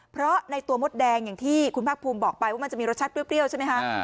เพราะในตัวมดแดงอย่างที่คุณภาคภูมิบอกไปว่ามันจะมีรสชาติเปรี้ยวใช่ไหมคะ